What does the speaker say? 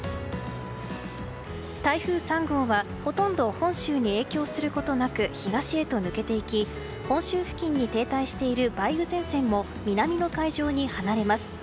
台風３号は、ほとんど本州に影響することなく東へを抜けていき本州付近に停滞している梅雨前線も南の海上に離れます。